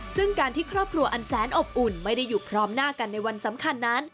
ซึ่งการที่ครอบครัวอันแสนอบอุ่นไม่ได้อยู่พร้อมหน้ากันในวันสำคัญนั้น